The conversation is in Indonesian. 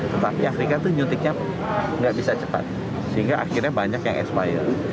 tetapi afrika itu nyutiknya nggak bisa cepat sehingga akhirnya banyak yang expired